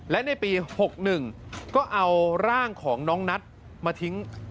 และในปี๖๑ก็เอาร่างของน้องนัทมาทิ้ง